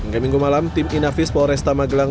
hingga minggu malam tim inafis polresta magelang